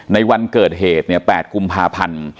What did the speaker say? ในวันเกิดเหตุ๘กุมภาพันธ์